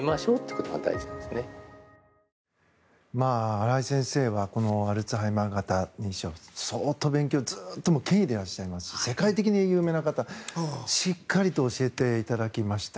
新井先生はアルツハイマー型認知症のこと相当、勉強権威でいらっしゃいますし世界的に有名な方でしっかりと教えていただきました。